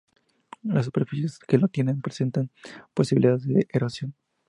Las superficies que lo tienen presentan posibilidades de erosión.